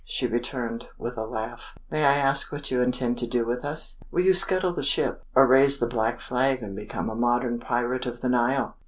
she returned, with a laugh. "May I ask what you intend to do with us? Will you scuttle the ship, or raise the black flag and become a modern pirate of the Nile?